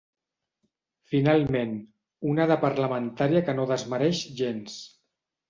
Finalment, una de parlamentària que no desmereix gens.